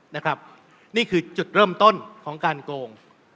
นี่คือจุดเริ่มต้นของการโกง